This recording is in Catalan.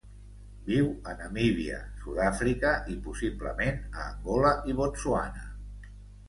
Viu a Namíbia, Sud-àfrica i possiblement a Angola i Botswana.